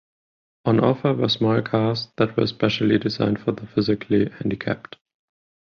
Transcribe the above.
On offer were small cars that were specially designed for the physically handicapped.